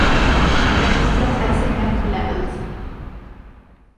Technical SNF levels.